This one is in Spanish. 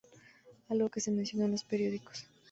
Algo que se mencionó en los periódicos.